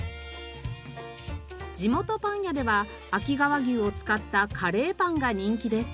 地元パン屋では秋川牛を使ったカレーパンが人気です。